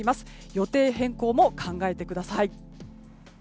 予定変更も考えてください。